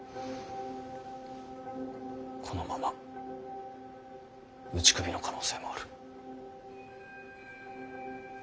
このまま打ち首の可能性もある。